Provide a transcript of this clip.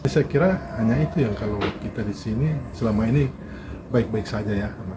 saya kira hanya itu yang kalau kita di sini selama ini baik baik saja ya